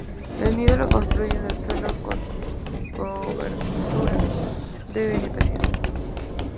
El nido lo construye en el suelo, con cobertura de vegetación.